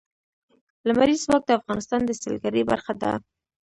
لمریز ځواک د افغانستان د سیلګرۍ برخه ده.